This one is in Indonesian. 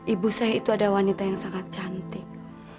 ibu saya itu ada wanita yang sangat cantik